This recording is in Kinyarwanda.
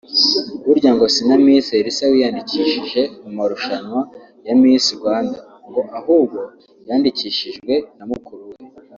Burya ngo si na Miss Elsa wiyandikishije mu marushanwa ya Miss Rwanda ngo ahubwo yandikishijwe na mukuru we